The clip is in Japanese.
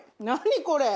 何？